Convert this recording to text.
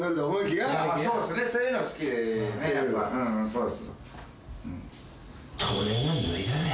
そうですね。